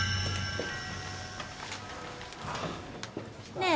ねえ